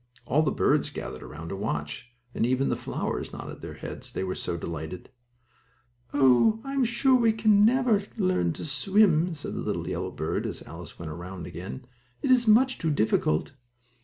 All the birds gathered around to watch, and even the flowers nodded their heads, they were so delighted. "Oh, I'm sure we never can learn to swim," said the yellow bird, as Alice went around again. "It is much too difficult."